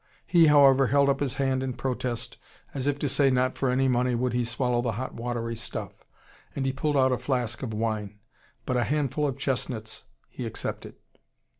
He, however, held up his hand in protest, as if to say not for any money would he swallow the hot watery stuff. And he pulled out a flask of wine. But a handful of chestnuts he accepted.